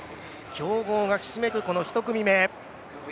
強豪がひしめく１組目。